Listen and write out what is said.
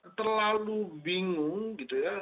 kita itu terlalu bingung gitu ya